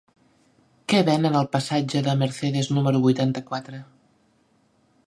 Què venen al passatge de Mercedes número vuitanta-quatre?